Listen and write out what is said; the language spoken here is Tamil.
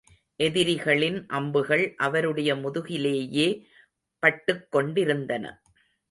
எதிரிகளின் அம்புகள் அவருடைய முதுகிலேயே பட்டுக் கொண்டிருந்தன.